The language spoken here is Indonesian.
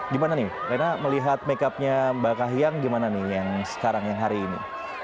gimana nih rena melihat makeupnya mbak kahiyang gimana nih yang sekarang yang hari ini